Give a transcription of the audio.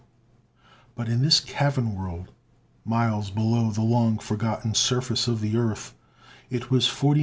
D., but in this cavern world, miles below the long forgotten surface of the earth, it was 49,889.